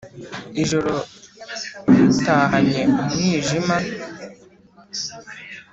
Ijoro ritahanye umwijima